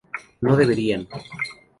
no beberían